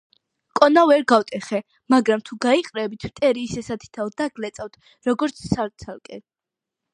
კონა ვერ გავტეხე; მაგრამ თუ გაიყრებით, მტერი ისე სათითაოდ დაგლეწავთ, როგორც ცალ-ცალკე